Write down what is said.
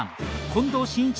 近藤真一